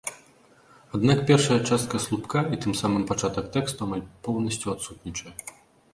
Аднак першая частка слупка і, тым самым, пачатак тэксту амаль поўнасцю адсутнічае.